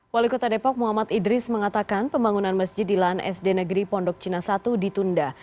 wali kota depok muhammad idris mengatakan pembangunan masjid di lahan sd negeri pondok cina satu ditunda